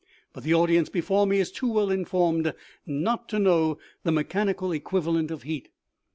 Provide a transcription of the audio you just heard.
But the audience before me is too well informed not to know the mechanical equivalent of heat.